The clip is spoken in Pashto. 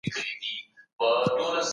يوه يادونه ضروري ګڼم.